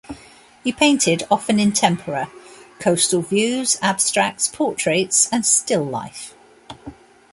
He painted, often in tempera, coastal views, abstracts, portraits and still-life.